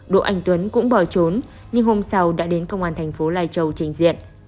độ ảnh tuấn cũng bỏ trốn nhưng hôm sau đã đến công an thành phố lai châu trình diện